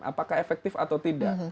apakah efektif atau tidak